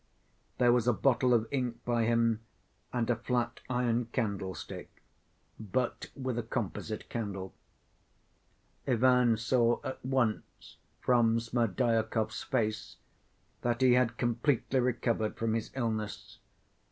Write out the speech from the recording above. There was a bottle of ink by him and a flat iron candlestick, but with a composite candle. Ivan saw at once from Smerdyakov's face that he had completely recovered from his illness.